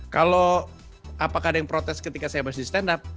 kalau apakah ada yang protes ketika saya masih stand up